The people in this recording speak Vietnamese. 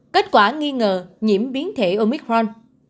kết quả nghi ngờ nhiễm biến thể omicron